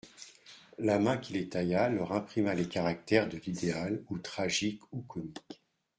La main qui les tailla leur imprima les caractères de l'idéal ou tragique ou comique.